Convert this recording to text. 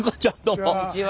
こんにちは。